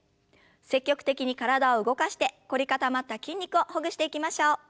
積極的に体を動かして凝り固まった筋肉をほぐしていきましょう。